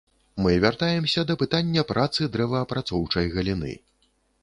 Мы вяртаемся да пытання працы дрэваапрацоўчай галіны.